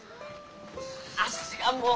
足がもう。